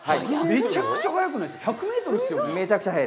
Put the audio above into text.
めちゃくちゃ速いです。